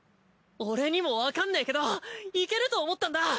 俺にもわかんねえけどいけると思ったんだ！